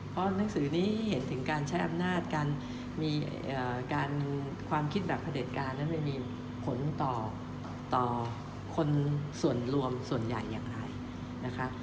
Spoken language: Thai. เพราะหนังสือนี้เห็นถึงการใช้อำนาจการมีการความคิดแบบพระเด็จการนั้นมันมีผลต่อคนส่วนรวมส่วนใหญ่อย่างไรนะคะ